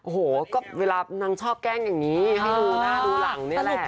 โอ้โหก็เวลานางชอบแกล้งอย่างนี้ให้ดูหน้าดูหลังนี่แหละ